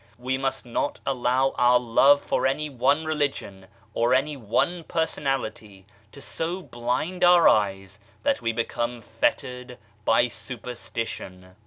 We must not allow our love for any one Religion or any one Personality to so blind our eyes that we become fettered by superstition